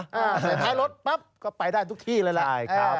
แต่ท้ายรถปั๊บก็ไปได้ทุกที่เลยแหละ